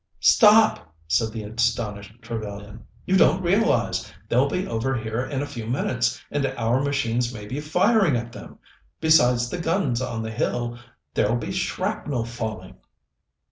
"Stop!" said the astonished Trevellyan. "You don't realize. They'll be over here in a few minutes, and our machines may be firing at them, besides the guns on the hill; there'll be shrapnel falling."